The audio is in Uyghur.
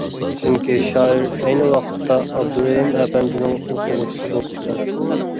چۈنكى شائىر ئەينى ۋاقىتتا ئابدۇرېھىم ئەپەندىنىڭ ئوقۇغۇچىسى بوپتىكەن.